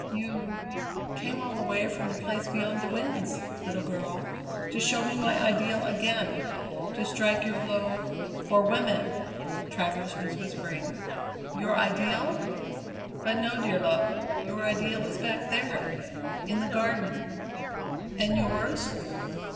"You came all the way from the Place Beyond the Winds, little girl, to show me my ideal again; to strike your blow for women." Travers was whispering. "Your ideal? But no, dear love. Your ideal is back there in the Garden." "And yours?